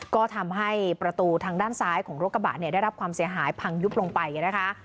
ก็ทำให้ประตูทางด้านซ้ายของรถกระบะเนี่ยได้รับความเสียหายพังยุบลงไปนะคะ